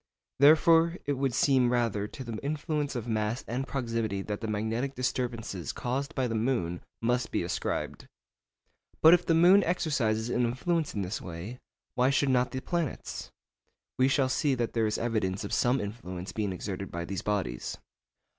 Therefore it would seem rather to the influence of mass and proximity that the magnetic disturbances caused by the moon must be ascribed. But if the moon exercises an influence in this way, why should not the planets? We shall see that there is evidence of some such influence being exerted by these bodies.